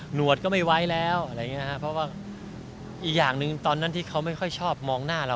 หวดก็ไม่ไว้แล้วอะไรอย่างนี้ครับเพราะว่าอีกอย่างหนึ่งตอนนั้นที่เขาไม่ค่อยชอบมองหน้าเรา